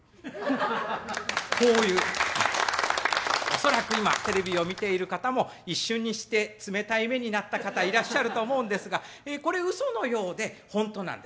恐らく今テレビを見ている方も一瞬にして冷たい目になった方いらっしゃると思うんですがこれうそのようで本当なんです。